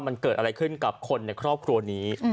มันเกิดอะไรขึ้นกับคนในครอบครัวนี้